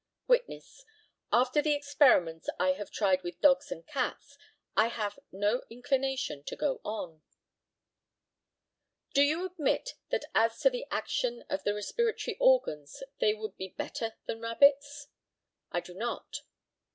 Witness: After the experiments I have tried with dogs and cats, I have no inclination to go on. Do you admit that as to the action of the respiratory organs they would be better than rabbits? I do not.